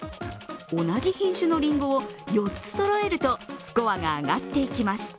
同じ品種のりんごを４つそろえるとスコアが上がっていきます。